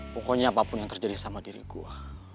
pokoknya apapun yang terjadi sama diri gue